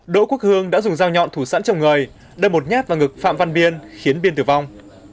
đỗ quốc hương đã dùng dao nhọn thủ sẵn trong người đâm một nhát vào ngực phạm văn biên khiến biên tử vong